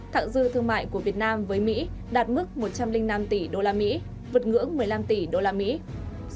thạng dư thương mại của việt nam với mỹ đạt mức một trăm linh năm tỷ usd vượt ngưỡng một mươi năm tỷ usd